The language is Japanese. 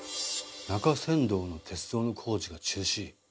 中山道の鉄道の工事が中止。